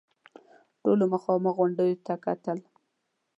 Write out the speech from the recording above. ټولو مخامخ غونډيو ته کتل.